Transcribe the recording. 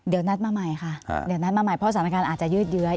เดี๋ยวนัดมาใหม่ค่ะเดี๋ยวนัดมาใหม่เพราะสถานการณ์อาจจะยืดเยื้อ